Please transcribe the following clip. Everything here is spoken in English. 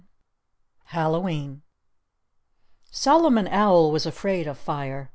IX Hallowe'en Solomon Owl was afraid of fire.